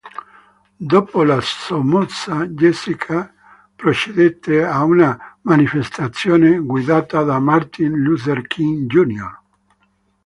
Dopo la sommossa, Jessica procedette a una manifestazione guidata da Martin Luther King Jr..